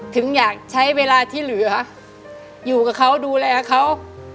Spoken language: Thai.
ถึงอยากใช้เวลาที่เหลืออยู่กับเขาดูแลเขา